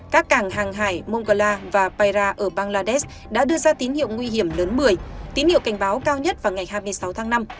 các cảng hàng hải mongola và paira ở bangladesh đã đưa ra tín hiệu nguy hiểm lớn một mươi tín hiệu cảnh báo cao nhất vào ngày hai mươi sáu tháng năm